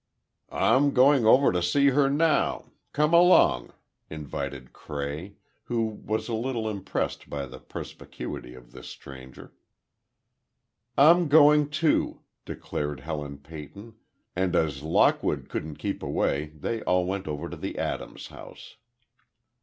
"I'm going over to see her now, come along," invited Cray, who was a little impressed by the perspicuity of this stranger. "I'm going, too," declared Helen Peyton, and as Lockwood couldn't keep away, they all went over to the Adams house.